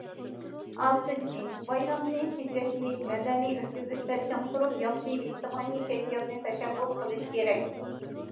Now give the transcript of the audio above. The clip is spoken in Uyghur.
ئالتىنچى، بايرامنى تېجەشلىك، مەدەنىي ئۆتكۈزۈشتە چىڭ تۇرۇپ، ياخشى ئىجتىمائىي كەيپىياتنى تەشەببۇس قىلىش كېرەك.